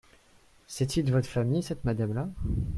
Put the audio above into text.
C’est-y de votre famile, cette madame-là ?